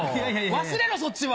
忘れろそっちは。